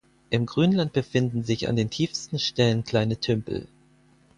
Im Grünland befinden sich an den tiefsten Stellen kleine Tümpel.